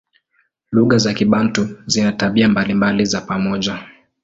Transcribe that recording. Lugha za Kibantu zina tabia mbalimbali za pamoja.